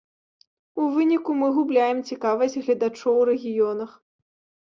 У выніку мы губляем цікавасць гледачоў у рэгіёнах.